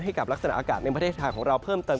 ให้กับลักษณะอากาศในประเทศไทยของเราเพิ่มเติม